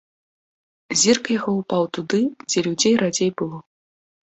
Зірк яго ўпаў туды, дзе людзей радзей было.